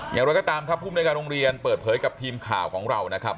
อย่างไรก็ตามครับภูมิในการโรงเรียนเปิดเผยกับทีมข่าวของเรานะครับ